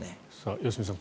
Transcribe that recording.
良純さん